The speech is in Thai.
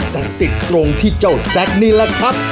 แต่ติดตรงที่เจ้าแซ็กนี่แหละครับ